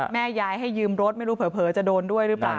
แม่ยายให้ยืมรถไม่รู้เผลอจะโดนด้วยหรือเปล่า